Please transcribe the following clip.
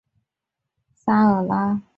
沙尔拉。